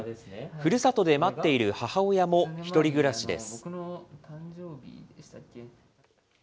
ふるさとで待っている母親も１人暮らしです。